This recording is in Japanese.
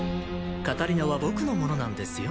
カタリナは僕のものなんですよ。